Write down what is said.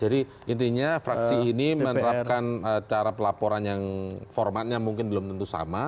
jadi intinya fraksi ini menerapkan cara pelaporan yang formatnya mungkin belum tentu sama